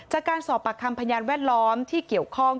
จากการสอบปากคำพยานแวดล้อมที่เกี่ยวข้อง